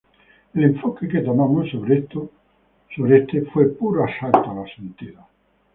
El enfoque que tomamos sobre este fue puro asalto a los sentidos.